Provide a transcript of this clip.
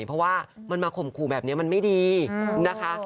เพราะว่ามันมาข่มขู่แบบนี้มันไม่ดีนะคะ